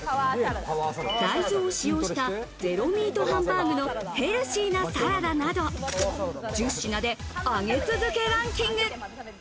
大豆を使用したゼロミートハンバーグのヘルシーなサラダなど、１０品で上げ続けランキング。